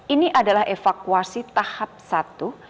ini adalah evakuasi tahap satu